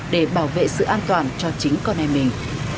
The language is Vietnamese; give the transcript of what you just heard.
để bảo vệ sự an toàn cho chính con em mình